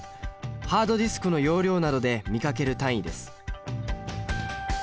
ハードディスクの容量などで見かける単位です